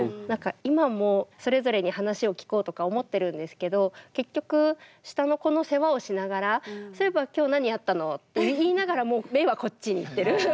なんか今もそれぞれに話を聞こうとか思ってるんですけど結局下の子の世話をしながら「そういえば今日何やったの？」って言いながらも目はこっちに行ってる。